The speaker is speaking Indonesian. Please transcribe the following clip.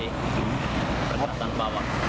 ini perbaikan apa pak